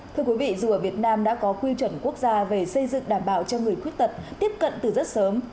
thưa quý vị dù ở việt nam đã có quy chuẩn quốc gia về xây dựng đảm bảo cho người khuyết tật tiếp cận từ rất sớm